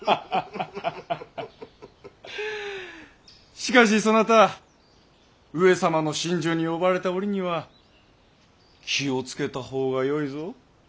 しかしそなた上様の寝所に呼ばれた折には気を付けた方がよいぞ。